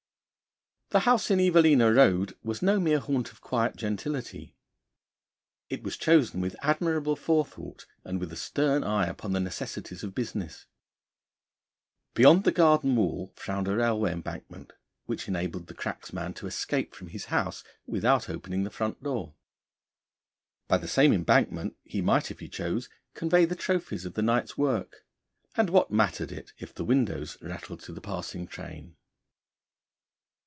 The house in Evelina Road was no mere haunt of quiet gentility. It was chosen with admirable forethought and with a stern eye upon the necessities of business. Beyond the garden wall frowned a railway embankment, which enabled the cracksman to escape from his house without opening the front door. By the same embankment he might, if he chose, convey the trophies of the night's work; and what mattered it if the windows rattled to the passing train?